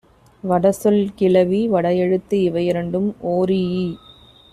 வடசொல் கிளவி, வடஎழுத்து இவையிரண்டும் ஒரீஇ